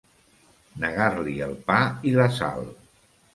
Negar-li el pa i la sal.